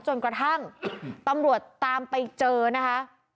จนกระทั่งตำรวจตามไปเจอนะคะ